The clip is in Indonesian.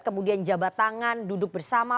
kemudian jabat tangan duduk bersama